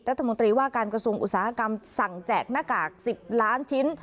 รัฐมนตรีว่าการกระทรวงอุตสาหกรรมสั่งแจกหน้ากาก๑๐ล้านชิ้น